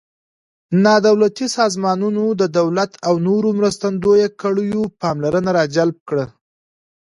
نا دولتي سازمانونو د دولت او نورو مرستندویه کړیو پاملرنه را جلب کړه.